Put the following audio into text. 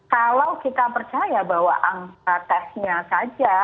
kalau kita percaya bahwa angka tesnya saja